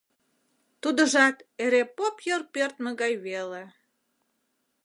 Тудыжат эре поп йыр пӧрдмӧ гай веле.